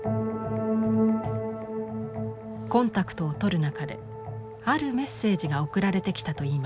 コンタクトを取る中であるメッセージが送られてきたといいます。